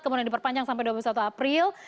kemudian diperpanjang sampai dua puluh satu april